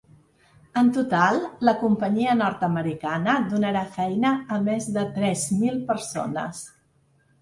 En total, la companyia nord-americana donarà feina a més de tres mil persones.